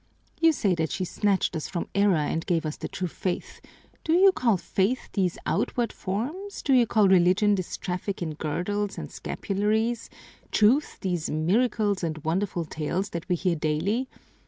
You say that she snatched us from error and gave us the true faith: do you call faith these outward forms, do you call religion this traffic in girdles and scapularies, truth these miracles and wonderful tales that we hear daily?